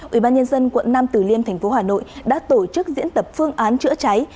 ủy ban nhân dân quận nam tử liêm tp hcm đã tổ chức diễn tập phương án chữa cháy